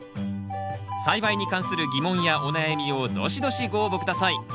栽培に関する疑問やお悩みをドシドシご応募下さい。